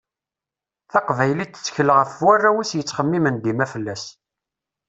Taqbaylit tettkel ɣef warraw-is yettxemmimen dima fell-as.